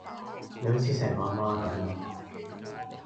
你好似成個啊媽咁呀